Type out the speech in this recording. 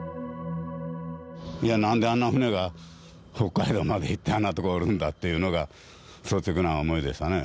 なんであんな船が北海道まで行ってあんな所おるんだっていうのが率直な思いでしたね。